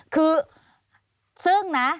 คือซึ่งนะ